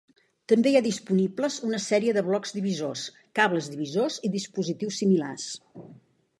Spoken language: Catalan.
També hi ha disponibles una sèrie de blocs divisors, cables divisors i dispositius similars.